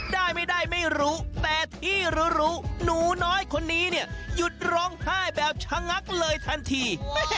ได้ไม่ได้ไม่รู้แต่ที่รู้หนูน้อยคนนี้เนี่ยหยุดร้องไห้แบบชะงักเลยทันที